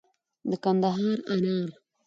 د کندهار انار